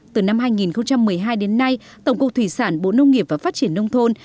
từ năm hai nghìn một mươi hai đến nay tổng cục thủy sản bộ nông nghiệp và phát triển nông thôn